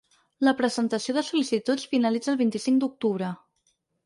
La presentació de sol·licituds finalitza el vint-i-cinc d’octubre.